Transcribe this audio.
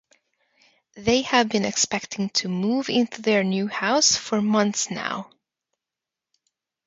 They have been expecting to move into their new house for months now.